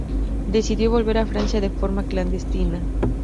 Decidió volver a Francia de forma clandestina.